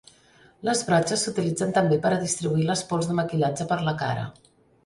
Les brotxes s'utilitzen també per a distribuir les pols de maquillatge per la cara.